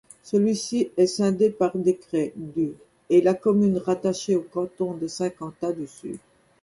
Celui-ci est scindé par décret du et la commune rattachée au canton de Saint-Quentin-Sud.